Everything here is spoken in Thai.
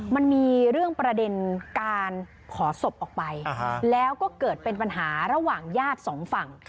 มันมีเรื่องประเด็นการขอศพออกไปแล้วก็เกิดเป็นปัญหาระหว่างญาติสองฝั่ง